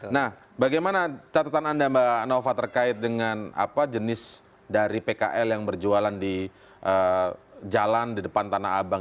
nah bagaimana catatan anda mbak nova terkait dengan jenis dari pkl yang berjualan di jalan di depan tanah abang